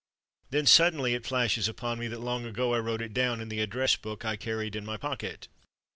Then suddenly it flashes upon me that long ago I wrote it down in the address book I carried in my pocket.